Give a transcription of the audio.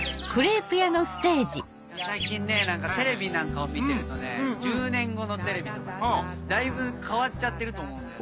最近ねテレビなんかを見てるとね１０年後のテレビとかねだいぶ変わっちゃってると思うんだよね。